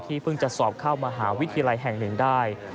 เพิ่งจะสอบเข้ามหาวิทยาลัยแห่งหนึ่งได้